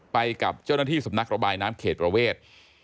ไปกับเจ้าหน้าที่สำนักระบายน้ำเขตประเวท